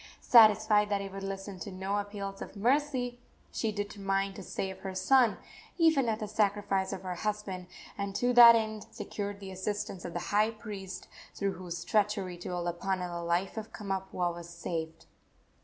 Satisfied that he would listen to no appeals for mercy, she determined to save her son, even at the sacrifice of her husband, and to that end secured the assistance of the high priest, through whose treachery to Olopana the life of Kamapuaa was saved.